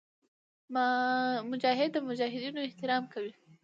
مجاهد د مجاهدینو احترام کوي.